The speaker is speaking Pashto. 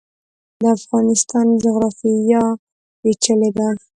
د افغانستان جغرافیا پیچلې ده